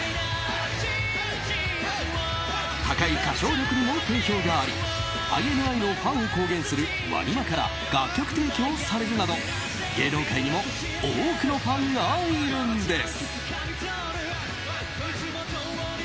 高い歌唱力にも定評がありＩＮＩのファンを公言するＷＡＮＩＭＡから楽曲提供されるなど芸能界にも多くのファンがいるんです。